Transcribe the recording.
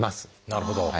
なるほど。